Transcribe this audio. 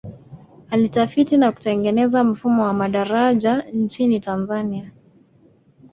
alitafiti na kutengeneza mfumo wa madaraja nchini tanzania